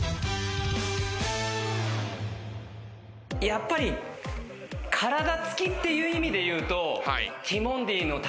やっぱり体つきっていう意味で言うと。